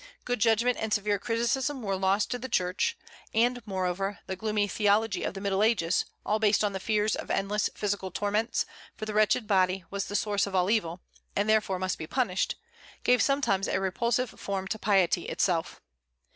Good judgment and severe criticism were lost to the Church; and, moreover, the gloomy theology of the Middle Ages, all based on the fears of endless physical torments, for the wretched body was the source of all evil, and therefore must be punished, gave sometimes a repulsive form to piety itself.